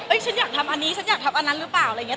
เฮ้ยฉันอยากทำอันนี้ฉันอยากทำอันนั้นหรือเปล่า